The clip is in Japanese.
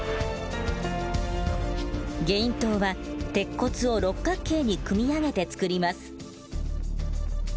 ゲイン塔は鉄骨を６角形に組み上げて造ります。